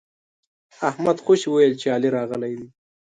احمد خوشي ويل چې علي راغلی دی.